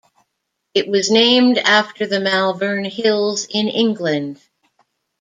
It was named after the Malvern Hills in England.